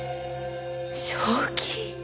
正気！？